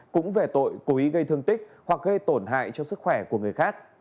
cũng về tội cố ý gây thương tích hoặc gây tổn hại cho sức khỏe của người khác